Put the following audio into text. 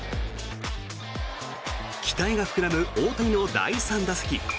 期待が膨らむ大谷の第３打席。